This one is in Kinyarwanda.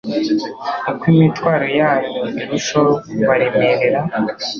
Uko imitwaro yanyu irushaho kubaremerera